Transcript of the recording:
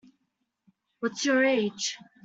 What's your age?